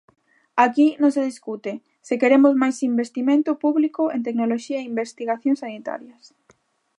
Aquí non se discute se queremos máis investimento público en tecnoloxía e investigación sanitarias.